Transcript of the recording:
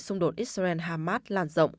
xung đột israel harmat lan rộng